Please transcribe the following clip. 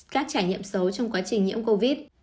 các trải nghiệm xấu trong quá trình nhiễm covid